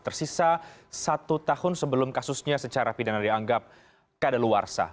tersisa satu tahun sebelum kasusnya secara pidana dianggap keadaan luar sah